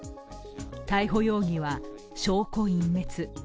逮捕容疑は、証拠隠滅。